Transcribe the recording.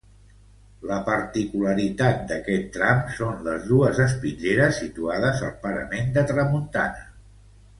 La particularitat d'aquest tram són les dues espitlleres situades al parament de tramuntana.